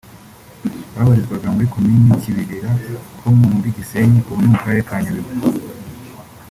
Babarizwaga muri Komini Kibirira ho muri Gisenyi (ubu ni mu Karere ka Nyabihu)